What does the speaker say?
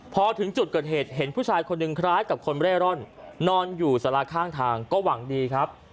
พอถึงจุดเกิดเหตุเห็นผู้ชายคนหนึ่งคล้ายกับคนเร่ร่อนนอนอยู่สาราข้างทางก็หวังดีครับ